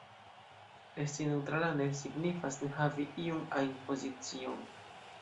Esti “neǔtrala” ne signifas ne havi iun ajn pozicion.